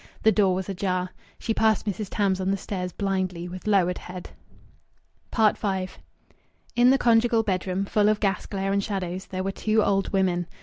The door was ajar. She passed Mrs. Tams on the stairs, blindly, with lowered head. V In the conjugal bedroom, full of gas glare and shadows, there were two old women.